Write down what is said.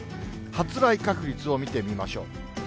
発雷確率を見てみましょう。